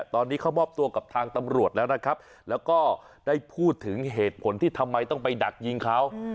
ตอนนี้เขามอบตัวกับทางตำรวจแล้วนะครับแล้วก็ได้พูดถึงเหตุผลที่ทำไมต้องไปดักยิงเขา